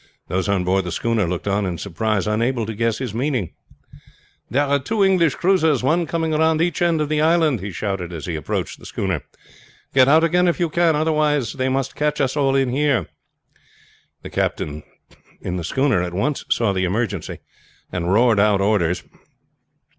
Those on board the schooner looked on in surprise, unable to guess his meaning. "There are two English cruisers, one coming round each end of the island!" he shouted as he approached the schooner. "Get out again if you can, otherwise they must catch us all in here!" The captain in the schooner at once saw the emergency, and roared out orders.